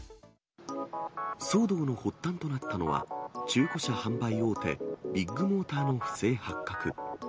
騒動の発端となったのは、中古車販売大手、ビッグモーターの不正発覚。